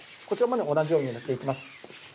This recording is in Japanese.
こちらも同じように塗っていきます。